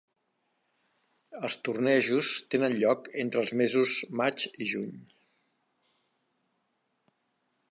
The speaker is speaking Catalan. Els tornejos tenen lloc entre els mesos maig i juny.